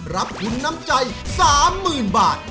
รับทุนน้ำใจ๓๐๐๐บาท